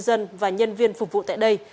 các cư dân và nhân viên phục vụ tại đây